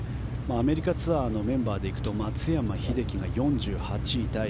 アメリカツアーのメンバーで行くと松山英樹が４８位タイ。